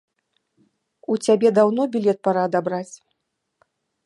У цябе даўно білет пара адабраць.